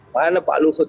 mana pak luhut